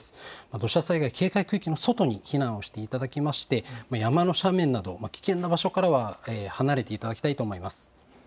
土砂災害警戒区域の外に避難をしていただきまして、山の斜面など、危険な場所からは離れていただきたいと思います。